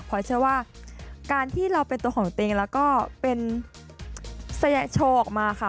เพราะฉะนั้นว่าการที่เราเป็นตัวของติงและก็เป็นสยะโชว์ออกมาค่ะ